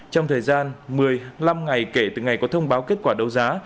trong thời gian một mươi năm ngày kể từ ngày có thông báo kết quả đấu giá